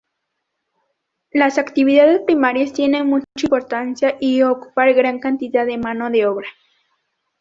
Las actividades primarias tienen mucha importancia y ocupan gran cantidad de mano de obra.